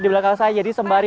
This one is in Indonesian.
di belakang saya jadi sembari